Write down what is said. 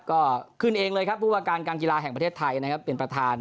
ก็ขึ้นเองเลยครับผู้ว่าการการกีฬาแห่งประเทศไทยนะครับเป็นประธาน